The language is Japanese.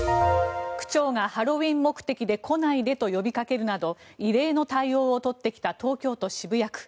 区長がハロウィーン目的で来ないでと呼びかけるなど異例の対応を取ってきた東京都渋谷区。